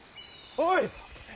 おい！